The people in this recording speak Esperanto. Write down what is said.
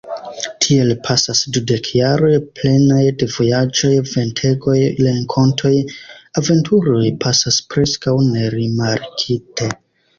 Tiel pasas dudek jaroj, plenaj de vojaĝoj, ventegoj, renkontoj, aventuroj, pasas preskaŭ nerimarkite.